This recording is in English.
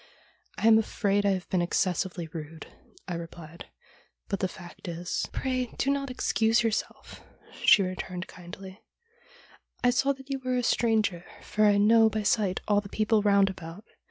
' I am afraid I have been excessively rude,' I replied, ' but the fact is ' THE DREAM THAT CAME TRUE 219 ' Pray, do not excuse yourself,' she returned kindly. ' I saw that you were a stranger, for I know by sight all the people round about.